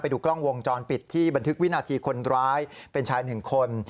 ดูกล้องวงจรปิดที่บันทึกวินาทีคนร้ายเป็นชายหนึ่งคน